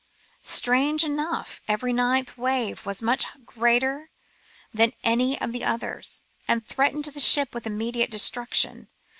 Strange enough every ninth wave was much greater than any of the others, and threatened the ship with immediate destruction.